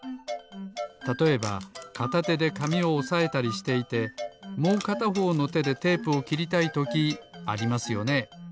たとえばかたてでかみをおさえたりしていてもうかたほうのてでテープをきりたいときありますよね。